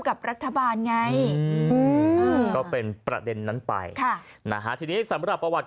กับรัฐบาลไงก็เป็นประเด็นนั้นไปค่ะนะฮะทีนี้สำหรับประวัติ